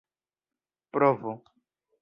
provo